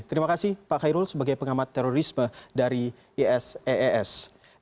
terima kasih pak khairul sebagai pengamat terorisme dari isees